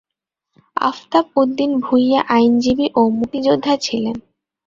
আফতাব উদ্দিন ভূঁইয়া আইনজীবী ও মুক্তিযোদ্ধা ছিলেন।